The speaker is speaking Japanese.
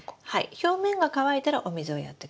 表面が乾いたらお水をやってください。